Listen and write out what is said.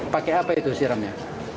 pakai apa itu siramnya